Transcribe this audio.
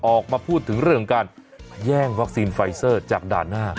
ออกมาพูดถึงเรื่องการแย่งวัคซีนไฟเซอร์จากด่านหน้า